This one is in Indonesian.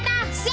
oh oh di sini